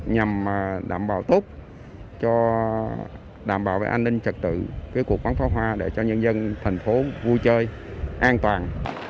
nhằm đảm bảo tốt cho đảm bảo an ninh trực tự cái cuộc bắn pháo hoa để cho nhân dân thành phố vui chơi an toàn